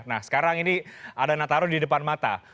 nah sekarang ini ada nataru di depan mata